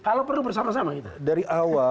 kalau perlu bersama sama